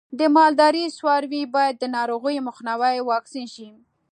د مالدارۍ څاروی باید د ناروغیو مخنیوي واکسین شي.